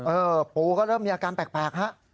ปูก็เริ่มมีอาการแปลกฮะ